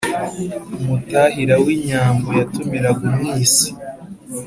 umutahira w’inyambo yatumiraga umwisi,